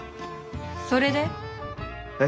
それで？えっ？